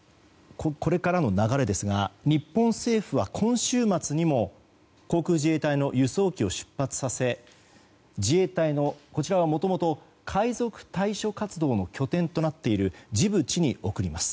これからの流れですが日本政府は、今週末にも航空自衛隊の輸送機を出発させ自衛隊の、こちらはもともと海賊対処活動の拠点となっているジブチに送ります。